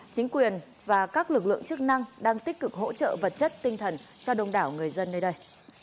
chính quyền và các lực lượng chức năng đang tích cực hỗ trợ vật chất tinh thần cho đông đảo người dân nơi đây